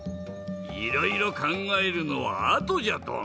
いろいろかんがえるのはあとじゃドン。